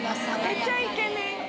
めっちゃイケメン。